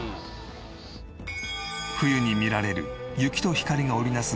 冬に見られる雪と光が織り成す